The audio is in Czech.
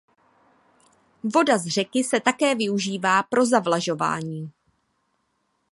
Voda z řeky se také využívá pro zavlažování.